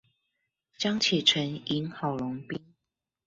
江啟臣贏郝龍斌